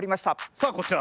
さあこちら。